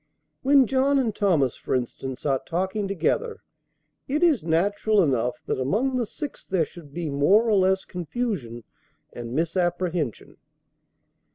] When John and Thomas, for instance, are talking together, it is natural enough that among the six there should be more or less confusion and misapprehension.